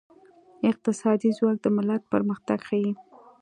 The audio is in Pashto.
اقتصادي ځواک د ملت پرمختګ ښيي.